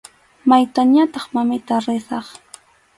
Maytañataq, mamita, risaq.